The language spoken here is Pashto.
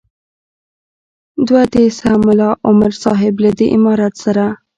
دوه دې سه ملا عمر صاحب له دې امارت سره.